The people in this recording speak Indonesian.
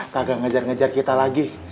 kagak ngejar ngejar kita lagi